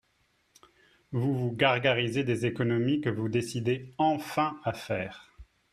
Vous vous gargarisez des économies que vous vous décidez enfin à faire.